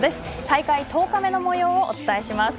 大会１０日目のもようをお伝えします。